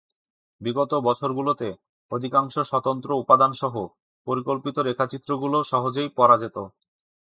বিগত বছরগুলোতে, অধিকাংশ স্বতন্ত্র উপাদানসহ পরিকল্পিত রেখাচিত্রগুলো সহজেই পড়া যেত।